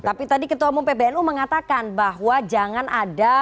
tapi tadi ketua umum pbnu mengatakan bahwa jangan ada